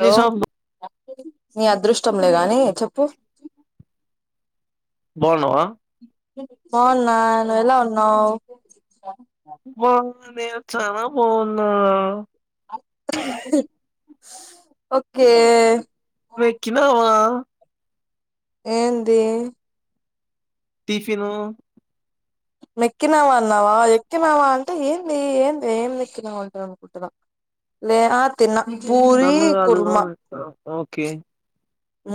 Hello Nizam నీ అదృష్టంలే గానీ చెప్పు బాగున్నవా బాగున్న నువ్వు ఎలా ఉన్నావు బాగున్నానే చానా బాగున్నా ఓకే మెక్కినావ ఏంది? టిఫిను. నెక్కినావా అన్నావా ఎక్కినావా అంటే ఏంది ఏంది ఏం నెక్కినావా అంటారు లె ఆ తిన్న పూరి నన్ను కాదు ఆ, కురుమా ఓకే ఆ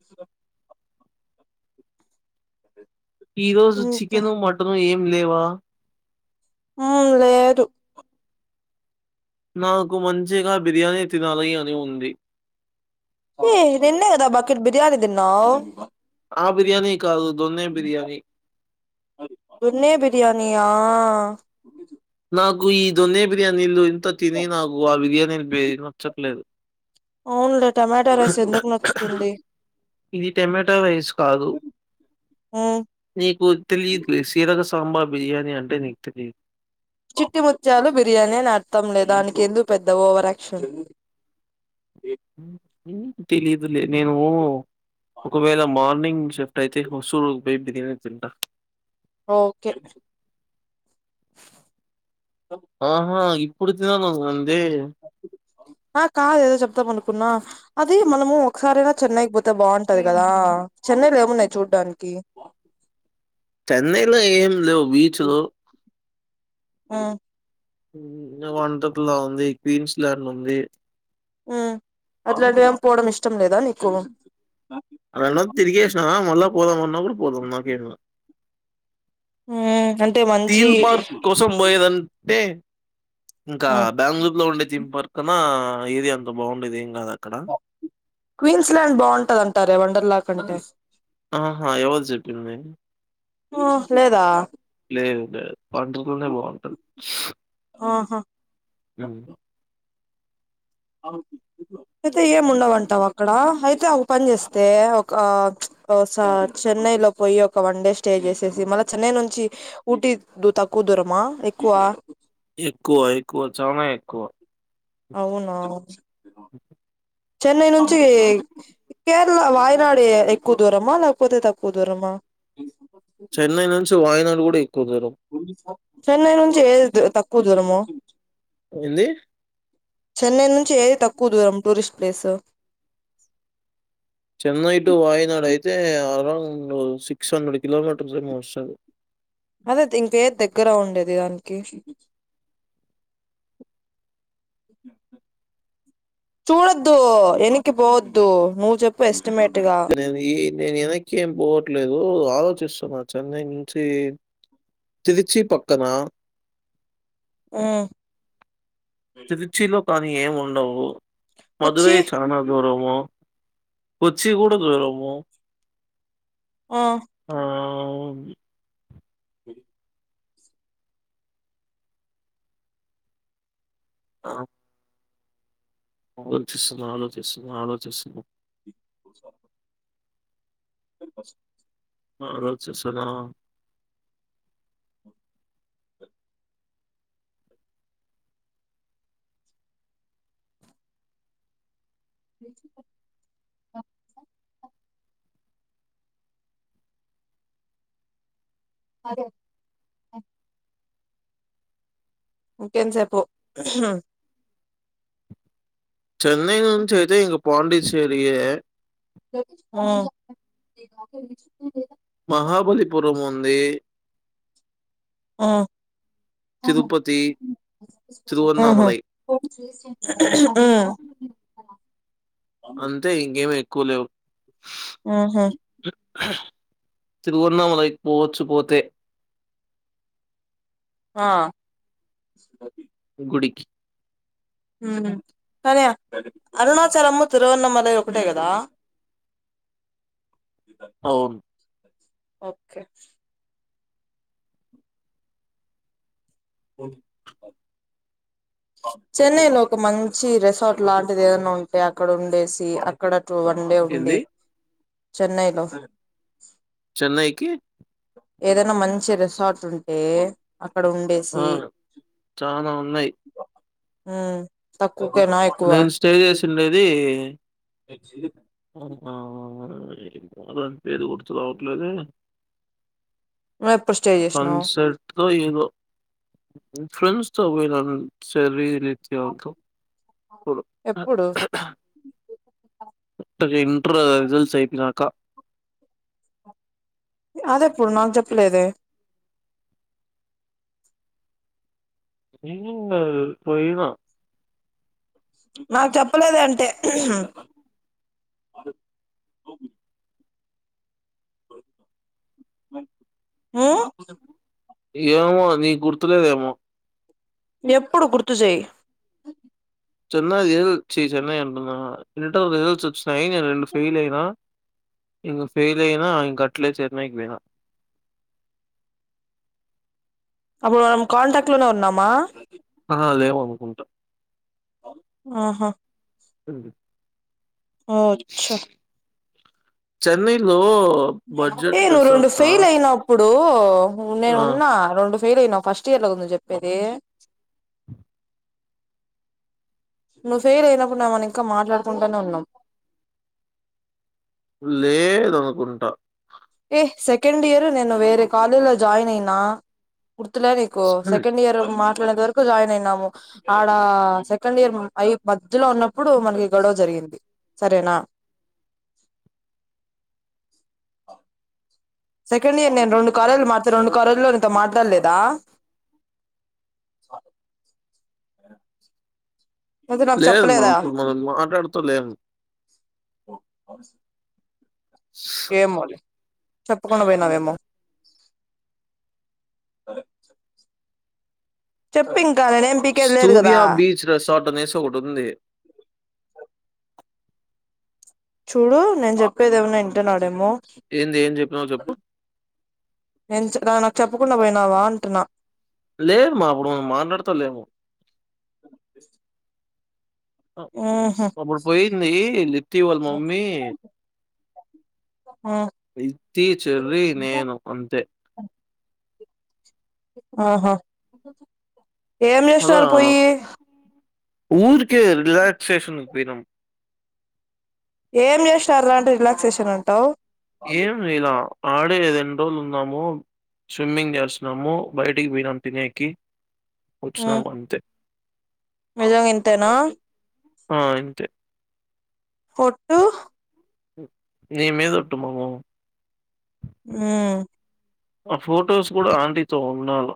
ఇ ఈ రోజు ఇంకా చికెను, మటన్ ఏం లేవా. ఊ లేదు నాకు మంచిగా బిర్యానీ తినాలి అని ఉంది. ఎ నిన్న కదా బకెట్ బిర్యానీ దిన్నావు ఆ బిర్యానీ కాదు దొన్నె బిర్యానీ. దొన్నె బిరియాని యా నాకు ఈ దొన్నె బిర్యానీలు ఇంత తిని నాకు ఆ బిర్యానీలుే వీ నచ్చట్లేదు. అవునులే టమాట రైస్ ఎందుకు నచ్చుతుంది. ఇది టొమాటో రైస్ కాదు. మ్మ్ నీకు తెలియట్లేదు శీరక సాంబార్ బిర్యానీ అంటే నీకు తెలియదు. చిట్టి ముత్యాలు బిర్యానీ అని అర్థం లే దానికి ఎందుకు పెద్ద ఓవరాక్షన్. తెలీదులే నేను ఒకవేళ మార్నింగ్ చెప్ అయితే హొసూరు బె బిర్యాని తింటా. ఓకే ఆహా ఇప్పుడు తినాలని ఉంది ఆ కాదు ఏదో చెప్తాం అనుకున్న అది మనము ఒకసారైనా చెన్నైకి పోతే బాగుంటది కదా చెన్నైలు ఏమున్నాయి చూడ్డానికి చెన్నైలో ఏం లేవు బీచ్‌లు. ఆ ఊ వండర్ లా ఉంది క్వీన్స్ ల్యాండ్ ఉంది ఉ అలాంటి ఏమి పోవడం ఇష్టం లేదా నీకు అడ తిరిగేష్ట మళ్ళ పోదం అన్నప్పుడు పోదం నాకెం ఊ అం థీన్ పార్క్ కోసం పోయేదంటే ఇంకా బెంగళూరు లో ఉండే థీన్ పార్క్ అక్కన ఏది అంత బాగుండేది ఏం కాదక్కడ క్వీన్స్ లాండ్ బాగుంటదంటారె వండర్ లా కంటే ఆహా ఎవరు చెప్పింది ఆ లేదా లేదు లేదు పంటతోనే బాగుంటంది ఆహా ఉ అయితే ఏముండవంటావ అక్కడ అయితే ఒక పని చేస్తే ఒక ప్చ్ ఒస చెన్నై లో పోయి ఒక వన్ డే స్టే చేసేసి మళ్ళీ చెన్నై నుంచి ఊటీ దు తక్కువ దూరమా ఎక్కువ ఎక్కువ ఎక్కువ చనా ఎక్కువ అవునా అఓ చెన్నై నుంచి కేరళ వాయనాడ ఎక్కువ దూరమా లేకపోతే తక్కువ దూరమా చెన్నై నుంచి వయనాడు కూడా ఎక్కువ దూరం చెన్నై నుంచి ఏది తక్కువ దూరము? ఏంది? చెన్నై నుంచి ఏది తక్కువ దూరం tourist place? Chennai to Wayanad అయితే అరౌండ్ సిక్స్ హండ్రెడ్ కిలోమీటర్స్ ఏమో వస్తది అదే త్ ఇంకేద్ దగ్గర ఉండేది దాన్కి చూడద్దు ఎనికి పోవద్దు నువ్వు చెప్పు ఎస్టిమేట్గా నేను ఈ నేను వెనక్కి ఏం పోవట్లేదు ఆలోచిస్తున్నా చెన్నై నుంచి తిరిచ్చి పక్కన ఊ తిరిచ్చి లో కానీ ఏం ఉండవు కొచ్చి మధరై చానా దూరము కొచ్చి కూడా దూరము ఒ ఆ సరి ఆ ఆలోచిస్సున్నా ఆలోచిస్సున్నా ఆలోచిస్సున్నా పుల్ స్టాప్ టైం పాస్ ఆలోచిస్సున్నా వెజ్ పప్ అదే ఇకేంత్సేపు చెన్నైంచితే ఇంగ పాండిచ్చేరియే ఊ మహాబలిపురం ఉంది ఆ తిరుపతి, ఊహు తిరువన్నామలై ఊ అంతే ఇంగేమి ఎక్కువ లేవ్ ఊహు తిరువన్నామలైకి పోవచ్చు పోతే ఆ గుడికి ఉమ్ హారేయా అరుణాచలము, తిరువన్నామలై ఒకటే కదా? అవున్ ఓకే ఓన్ చెన్నైలో ఒక మంచి రిసార్ట్ లాంటిది ఏదన్నా ఉంటే అక్కడ ఉండేసి అ అక్కడ టూ వన్ డే ఉండి ఏంది? చెన్నై లో చెన్నైకి ఏదైనా మంచి రిసార్ట్ ఉంటే అక్కడ ఉండే ఆ చానా ఉన్నాయ్ ఉమ్ తక్కువ కేనా ఎక్కువ? నేను స్టే చేసుండేది ఎచ్డి [inaudible] దాని పేరు గుర్తు కావట్లేదు నువు ఎపుడూ స్టేజ్ సన్సెట్స్ తో ఏదో ఫ్రెండ్స్ తో పోయిన సరీరి చెరో ఓ కప్పు [inaudible] ఎప్పుడు అ ఇంటర్ అ రిజల్ట్స్ అయిపోనాక అదే ఎప్పుడు నాకు చెప్పలేదే ఇ [unintelligible] పోయినా నాకు చెప్పలేదు అంటే ఉ ఏమో అది గుర్తులేదేమో ఎప్పుడు గుర్తు చేయి చెన్నై ఏదో ఛీ చెన్నై అంటునన ఇంటర్ రిజల్ట్ వచ్చినాయి. నేను రెండు ఫెయిల్ అయినా ఇం ఫెల్ అయినా అ ఇంకట్లే చెన్నై కి పోయిన అప్పుడు మనం కాంటెక్ట్ లోనే ఉన్నామా. ఆహా లేము అనుకుంటా ఆహా స ఒ చ్చా చెన్నైలో ఏ బడ్జెట్ నువ్వు రెండు రిసార్ట్సా? ఫెయిల్ అయినావు ఇప్పుడు నేను ఆ! ఉన్నా రెండు ఫెయిల్ అయినా ఫస్ట్ ఇయర్ లో కదా నువ్వు చెప్పేది. నువ్వు ఫెయిల్ అయినప్పుడు మనం ఇంకా మాట్లాడుకుంటనే ఉన్నాం లేదనుకుంటా ఏ సెకండ్ ఇయరు నేను వేరే కాలేజ్ లో జాయిన్ అయినా. గుర్తులే నీకు సెకండ్ ఇయర్ మాట్లాడే వరకు జాయిన్ అయినాము. ఆడ సెకండ్ఇయర్ అయ మధ్యలో ఉన్నప్పుడు మనకి గొడవ జరిగింది. సరేనా సెకండ్ ఇయర్ నేను రెండు కాలేజ్ లు మార్చ రెండు కాలేజ్ లలో నేను నీతో మాట్లాడలేదా అయితే నాకు లేదు మా చెప్పలేదా అప్పుడు మనం మాట్లాడుతలేము. ఏమోలే చెప్పకుండా పోయినావేమో. చెప్పఇంకా నేనే ఏం పీకేది లేదు కదా 'సూర్య బీచ్ రిసార్ట్ ఆనేసి ఒకటి ఉంది. చుడు నేను చెప్పేది ఏమన్నా ఇంటునాడేమో. ఏంది ఏం చెప్పినావో చెప్పు నేనునువ్వు నాకు చెప్పకుండా పోయినావా అంటున్నా. లేదు మా అప్పుడు మనం మాట్లాడతలేము. ఉహు అప్పుడు పోయింది. లిప్తి వాళ్ళ మమ్మీ ఆ లిప్తి చెర్రి నేను అంతే ఆహా ఏం మళ్ళా చేసినారు పోయి ఊరికే రిలాాక్స్ సెషన్ కి పోయినం. ఏం చేసినారు రాా అంటే రిలాక్సేషన్ అంటావు. ఏం లీలా ఆడే రెండు రోజులు ఉన్నాము. స్విమ్మింగ్ చేస్తున్నాము. బయటికి పోయినాము. తినేకి ఉ వచ్చినం అంతే నిజంగా ఇంతేనా ఆ ఇంతే ఒట్టు నీ మీద ఒట్టు మమా. ఉమ్ ఆ ఫొటోస్ కూడా ఆంటీతో ఉన్నాలు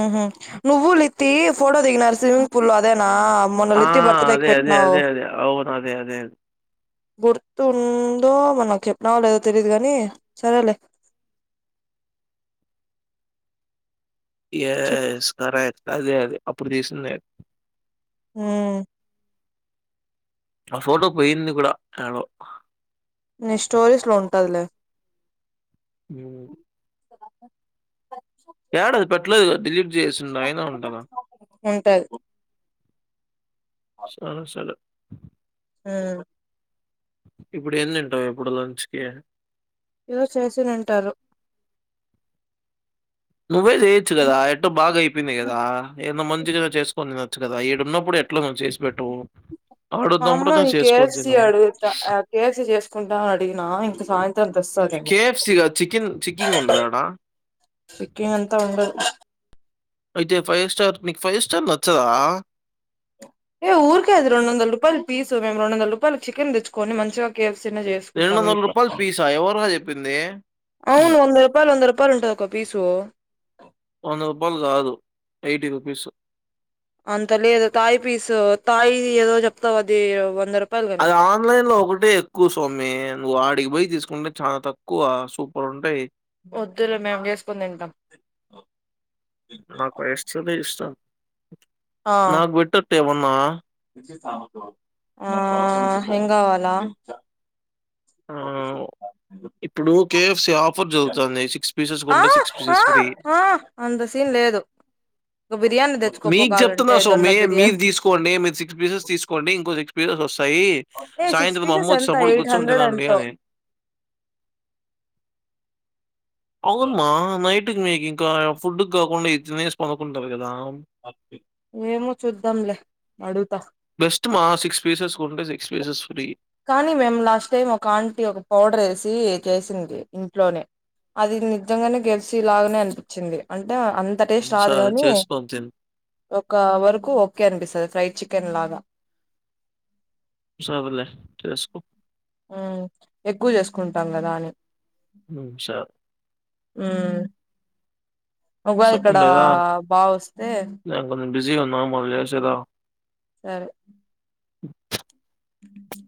ఉహు నువ్వు లితి ఫోటో దిగినారు స్విమింగ్ పూల్ లో అదేనా మొన్న ఆ లిత్తి బర్త్డేకి అదే అదే పెట్టినావు అదే అదే అవును అదే అదే అదే గుర్తు ఉందో మనకు చెప్పినవో లేదో తెలీయ దు కాని సరేలే చెప్ ఎస్ కరెక్ట్ అదే అదే అప్పుడు తీసిందే హ్మ్ ఆ ఫోటో పోయింది కూడా యడో మీ స్టోరీస్ లో ఉంటదిలే హ్మ్. యాడో అది పెట్టలేదు కదా డిలీట్ చేసిండ అయినా ఉంటదా ఉంటది సరే సరే ఆ ఇప్పుడు ఎం తింటావు ఇప్పుడు లంచ్ కి దోశ ఏసి ఉంటారు నువ్వే చేయొచ్చు కదా ఎటో బాగ అయిపోయింది కదా ఏదో మంచిగా చేసుకో కొని వచ్చు కదా ఇడున్నప్పుడు ఎట్లా నువ్వు చేసి పెట్టవు మా అమ్మ ను కేఎఫ్సి అడుగుతా కేఎఫ్సి చేసుకుంటా అ అడిగినా ఇంక సాయంత్రం తెస్తదేమో కేఎఫ్సిగాదు చికెన్ చికింగ్ ఉంటదా చికింగ్ అంత ఉండదు అయితే ఫైవ్ స్టార్ నీకు ఫైవ్ స్టార్ నచ్చదా ఏ ఊరికెది అది రెండు వందల రూపాయలు పీసు మేము రెండు వంద రూపాయలు చికెన్ తెచ్చుకొని మంచిగా కెఎఫ్సి నే రూ. చెసుకునే పీసా? ఎవర్రా జెప్పింది? అవును వంద రూపాయలు వంద రూపాయలు ఉంటది ఒక్క పీసు వంద రూపాయల్ కాదు ఏటి రూపీస్ అంత లేదు తాయి పీస్ తాయి ఏదో చెప్తావు అది వంద రూపాయలు కాని అది ఆన్లైన్ లో ఒకటి కుసోమి నువ్వు ఆడికి పోయి తీసుకుంటే చాలా తక్కువ సూపర్ ఉంటయ్ వొద్దులే మేము చేసుకుని తింటాం నాకు కెఫ్సి అంటే ఇష్టం నాకు బెట్టు అత్తయ్య ముందు హా ఏం కావాలా హా ఇప్పుడు కేఎఫ్సి ఆఫర్ చెబుతోంది సిక్స్ పీసెస్ ఆ కొంటే సిక్స్ ఆ పీసెస్ ఫ్రీ ఆ అంత సీన్ లేదు ఒక బిర్యానీ దెతే మీకు చెప్తున్నా స్వామి మీరు తీసుకోండి మీరు సిక్స్ పీసెస్ తీసుకోండి ఇంకో సిక్స్ పీసెస్ వస్తాయి ఏ సిక్స్ సాయంత్రం పీసెస్ ఎంత అమ్మొచ్చినప్పుడు ఎయిట్ కూర్చొని హండ్రెడ్ తినండి ఎంతో అని అవునమ్మా నైట్కి మీకు ఇంకా ఫుడ్ కి కాకుండా తినేసి పనుకుంటారు కదా ఏమో చూద్దాంలే అడుగుతా బెస్ట్ మా six pieces food six pieces free కానీ మేము లాస్ట్ టైం ఒక ఆంటి ఒక పౌడర్ వేసి చేసింది ఇంట్లోనే అది నిజంగానే కెప్సి లాగానే అనిపించింది అంటే అంత అంత హ్మ్. టేస్ట్ రాదు సరే గాని చేసుకొని తిను. ఒక వరకు ఓకే అనిపిస్తుంది ఫ్రై చికెన్ లాగా సార్వలే చేసుకో. ఉ ఎక్కు చేసుకుంటాం కదా అని. ఉ స. ఉం. ఒకళ ఇక్కడ బాగా వస్తే. నేన్ కొంచెం బిజీగా ఉన్నా మల్ చేస్తగా. సరే. ఉ